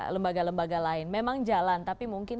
lembaga lembaga lain memang jalan tapi mungkin